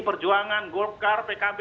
perjuangan golkar pkb